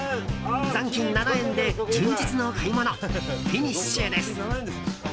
残金７円で充実の買い物フィニッシュです。